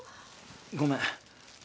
ごめん。